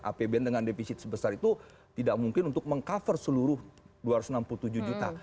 apbn dengan defisit sebesar itu tidak mungkin untuk meng cover seluruh dua ratus enam puluh tujuh juta